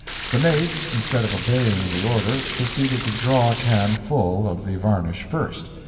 The mate, instead of obeying the order, proceeded to draw a can full of the varnish first.